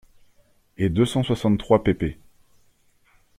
et deux cent soixante-trois pp.